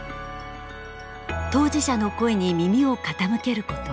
当事者の声に耳を傾けること。